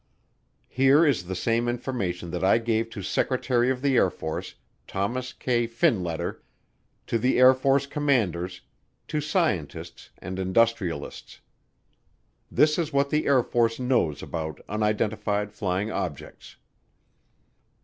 Here is the same information that I gave to Secretary of the Air Force, Thomas K. Finletter, to the Air Force commanders, to scientists and industrialists. This is what the Air Force knows about unidentified flying objects.